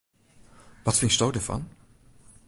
Wat fynsto derfan?